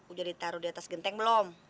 udah ditaruh di atas genteng belum